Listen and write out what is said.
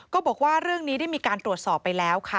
ก็บอกว่าเรื่องนี้ได้มีการตรวจสอบไปแล้วค่ะ